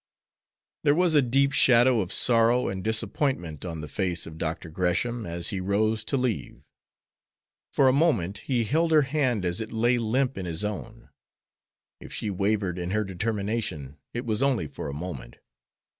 There was a deep shadow of sorrow and disappointment on the face of Dr. Gresham as he rose to leave. For a moment he held her hand as it lay limp in his own. If she wavered in her determination it was only for a moment.